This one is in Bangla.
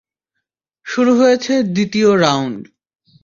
শুরু হয়েছে দ্বিতীয় রাউন্ড।